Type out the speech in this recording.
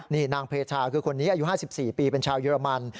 นี่นางเพชาคือคนนี้อายุ๕๔ปีเป็นชาวเยอรมัน